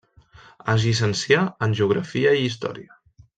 Es llicencià en Geografia i Història.